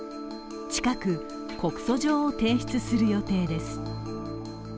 近く、告訴状を提出する予定です。